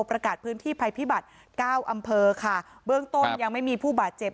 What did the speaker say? พื้นที่พัยพิบัตร๙อำเภอค่ะเบื้องต้นยังไม่มีผู้บาดเจ็บ